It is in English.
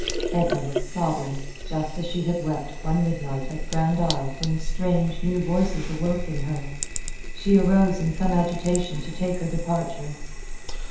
Edna was sobbing, just as she had wept one midnight at Grand Isle when strange, new voices awoke in her. She arose in some agitation to take her departure.